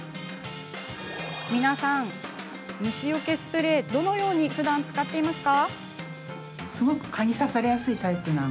皆さん、虫よけスプレーってふだんどのように使っていますか。